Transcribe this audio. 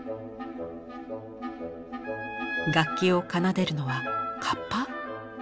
楽器を奏でるのはかっぱ？